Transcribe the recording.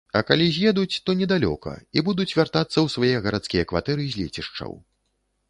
А калі з'едуць, то недалёка і будуць вяртацца ў свае гарадскія кватэры з лецішчаў.